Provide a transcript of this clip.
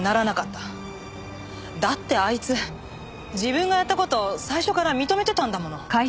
だってあいつ自分がやった事を最初から認めてたんだもの。